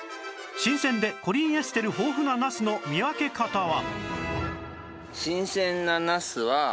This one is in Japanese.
新鮮でコリンエステル豊富なナスの見分け方は